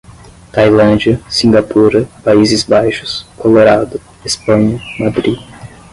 Tailândia, Singapura, Países Baixos, Colorado, Espanha, Madrid